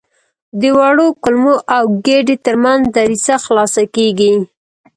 د وړو کولمو او ګیدې تر منځ دریڅه خلاصه کېږي.